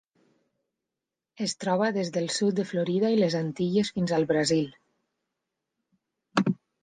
Es troba des del sud de Florida i les Antilles fins al Brasil.